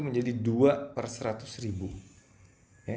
terjadi peningkatan sekitar tujuh puluh kali lipat